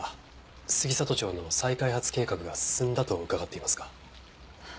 杉里町の再開発計画が進んだと伺っていますが。